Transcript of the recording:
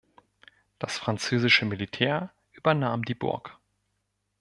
Das französische Militär übernahm die Burg.